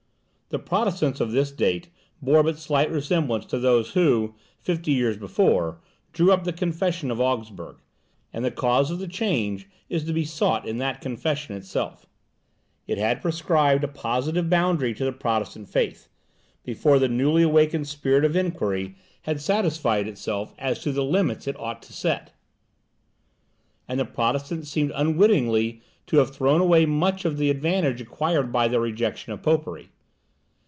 The Protestants of this date bore but slight resemblance to those who, fifty years before, drew up the Confession of Augsburg; and the cause of the change is to be sought in that Confession itself. It had prescribed a positive boundary to the Protestant faith, before the newly awakened spirit of inquiry had satisfied itself as to the limits it ought to set; and the Protestants seemed unwittingly to have thrown away much of the advantage acquired by their rejection of popery.